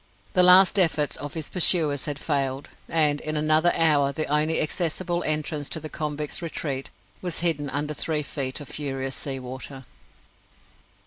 The last efforts of his pursuers had failed, and in another hour the only accessible entrance to the convict's retreat was hidden under three feet of furious seawater.